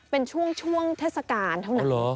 เป็นช่วงเทศกาลเท่านั้น